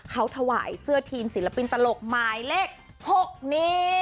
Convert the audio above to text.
เขาถวายเสื้อทีมศิลปินตลกหมายเลข๖นี้